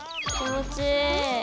気持ちいい。